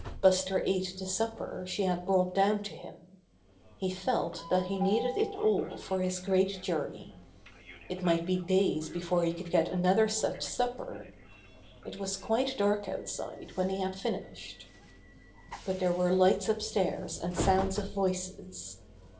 Buster ate the supper she had brought down to him. He felt that he needed it all for his great journey. It might be days before he could get another such supper. It was quite dark outside when he had finished. But there were lights upstairs and sounds of voices.